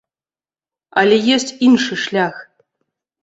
Але ёсць іншы шлях.